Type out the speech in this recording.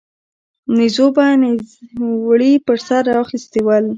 نيزو به نيزوړي پر سر را اخيستي ول